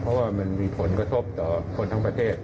เพราะว่ามันมีผลกระทบต่อคนทั้งประเทศ